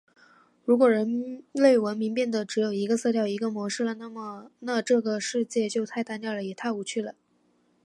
如果人类文明变得只有一个色调、一个模式了，那这个世界就太单调了，也太无趣了！